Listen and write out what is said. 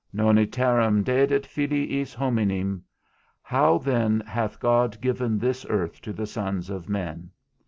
Nonne terram dedit filiis hominum? How then hath God given this earth to the sons of men?